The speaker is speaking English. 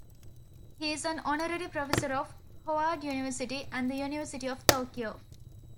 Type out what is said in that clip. He is an honorary professor of Howard University and the University of Tokyo.